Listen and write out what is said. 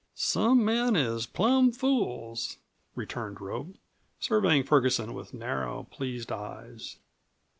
"Some men is plum fools," returned Rope, surveying Ferguson with narrow, pleased eyes.